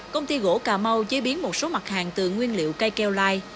công ty gỗ cà mau chế biến một số mặt hàng từ nguyên liệu cây keo lai